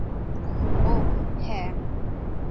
ওহ, হ্যা।